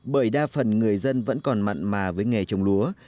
bởi đa phần người dân vẫn còn mặn mà với nghề trồng lúa